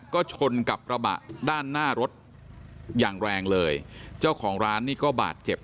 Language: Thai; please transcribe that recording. ก็ชนกับกระบะด้านหน้ารถอย่างแรงเลยเจ้าของร้านนี่ก็บาดเจ็บ